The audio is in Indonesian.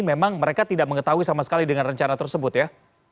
memang mereka tidak mengetahui sama sekali dengan rencana tersebut ya